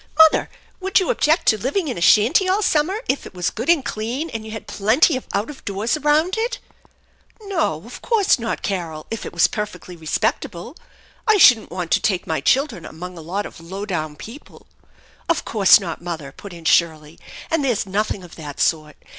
" Mother, would you object to living in a shanty all summer if it was good and clean, and you had plenty of out of doors around it ?"" No, of course not, Carol, if it was perfectly respectable. I shouldn't want to take my children among a lot of low down people "" Of course not, mother !" put in Shirley. "And there's nothing of that sort.